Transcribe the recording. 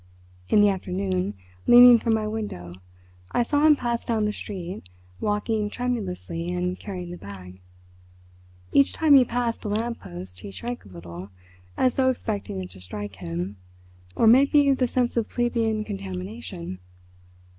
In the afternoon, leaning from my window, I saw him pass down the street, walking tremulously and carrying the bag. Each time he passed a lamp post he shrank a little, as though expecting it to strike him, or maybe the sense of plebeian contamination....